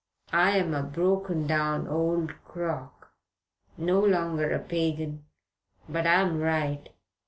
I'm a broken down old crock, no longer a pagan; but I'm right.